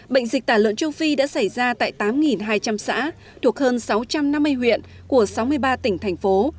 bệnh dịch tả lợn châu phi đã xảy ra tại tám hai trăm linh xã thuộc hơn sáu trăm năm mươi huyện của sáu mươi ba tỉnh thành phố